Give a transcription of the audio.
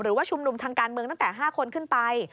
หรือว่าชุมนุมทางการเมืองตั้งแต่๕คนขึ้นไป